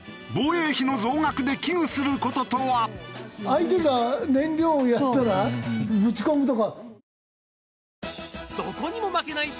相手が燃料をやったらぶち込むとか。